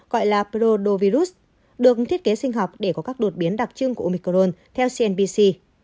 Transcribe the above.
gọi là provirus được thiết kế sinh học để có các đột biến đặc trưng của omicron theo cnbc